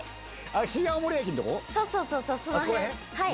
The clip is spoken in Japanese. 新青森駅のとこ？